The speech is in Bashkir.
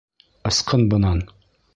Ысҡын бынан!